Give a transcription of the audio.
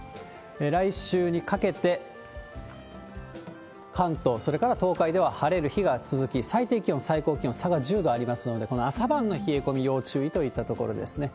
来週にかけて、関東、それから東海では晴れる日が続き、最低気温、最高気温、差が１０度ありますので、この朝晩の冷え込み、要注意といったところですね。